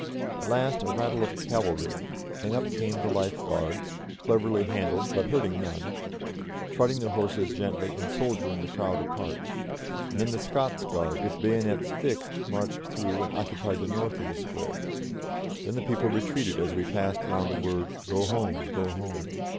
At last a rattle of cavalry, and up came the Life Guards, cleverly handled but hurting none, trotting their horses gently and shouldering the crowd apart; and then the Scots Guards with bayonets fixed marched through and occupied the north of the Square. Then the people retreated as we passed round the word, "Go home, go home."